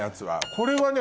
これはね